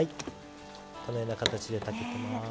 このような形で炊けてます。